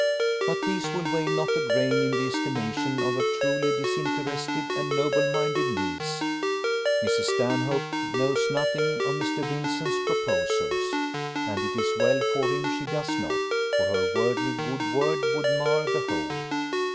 "But these will weigh not a grain in the estimation of her truly disinterested and noble minded niece. Mrs. Stanhope knows nothing of Mr. Vincent's proposals; and it is well for him she does not, for her worldly good word would mar the whole.